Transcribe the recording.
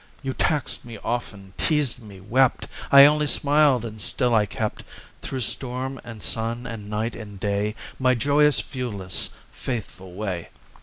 "You taxed me often, teased me, wept; I only smiled, and still I kept Through storm and sun and night and day, My joyous, viewless, faithful way.